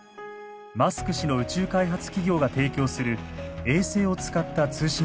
マスク氏の宇宙開発企業が提供する衛星を使った通信サービスです。